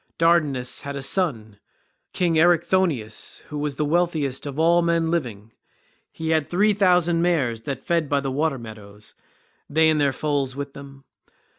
Dardanus had a son, king Erichthonius, who was wealthiest of all men living; he had three thousand mares that fed by the water meadows, they and their foals with them.